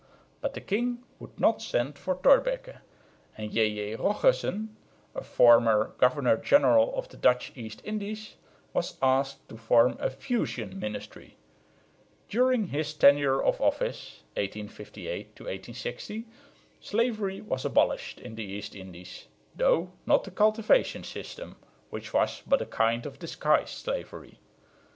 But the king would not send for Thorbecke; and J.J. Rochussen, a former governor general of the Dutch East Indies, was asked to form a "fusion" ministry. During his tenure of office (1858 60) slavery was abolished in the East Indies, though not the cultivation system, which was but a kind of disguised slavery.